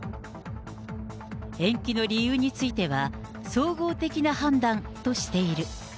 延期の理由については、総合的な判断としている。